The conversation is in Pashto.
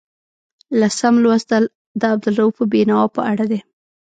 لسم لوست د عبدالرؤف بېنوا په اړه دی.